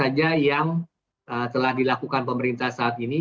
apa saja yang telah dilakukan pemerintah saat ini